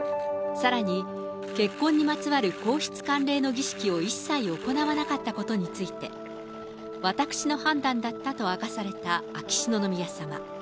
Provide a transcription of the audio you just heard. さらに結婚にまつわる皇室慣例の儀式を一切行わなかったことについて、私の判断だったと明かされた秋篠宮さま。